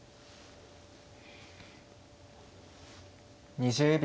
２０秒。